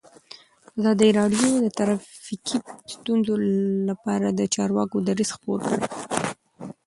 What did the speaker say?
ازادي راډیو د ټرافیکي ستونزې لپاره د چارواکو دریځ خپور کړی.